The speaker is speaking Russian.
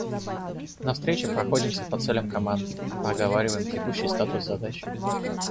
На встрече проходимся по целям команд, проговариваем текущий статус задач.